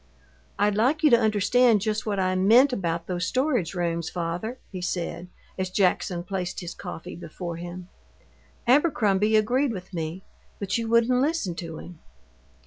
"I'd like you to understand just what I meant about those storage rooms, father," he said, as Jackson placed his coffee before him. "Abercrombie agreed with me, but you wouldn't listen to him."